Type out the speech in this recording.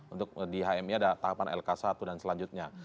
untuk di hmi ada tahapan lk satu dan selanjutnya